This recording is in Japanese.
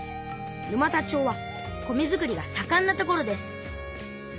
沼田町は米づくりがさかんな所です。